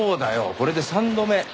これで三度目。